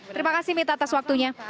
terima kasih mita atas waktunya